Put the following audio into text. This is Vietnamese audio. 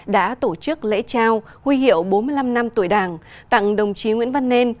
đã tổ chức lễ trao huy hiệu bốn mươi năm năm tuổi đảng tặng đồng chí nguyễn văn nên